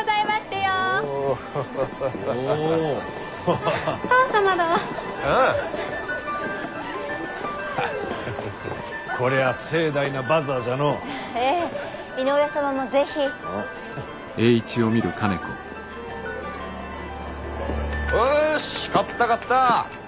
よぉし買った買った。